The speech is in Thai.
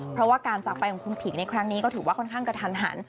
เพราะว่าการจากไปของคุณผิงในครั้งนี้ก็ถือว่าค่อนข้างกระทันหัน